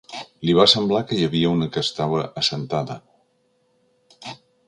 Li va semblar que hi havia una que estava assentada